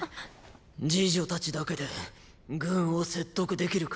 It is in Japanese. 侍女たちだけで軍を説得できるか。